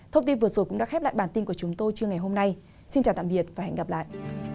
thông tin vừa rồi cũng đã khép lại bản tin của chúng tôi trưa ngày hôm nay xin chào tạm biệt và hẹn gặp lại